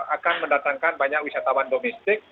akan mendatangkan banyak wisatawan domestik